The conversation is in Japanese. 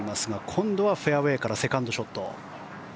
今度はフェアウェーからセカンドショット。